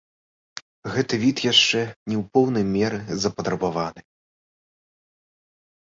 Гэты від яшчэ не ў поўнай меры запатрабаваны.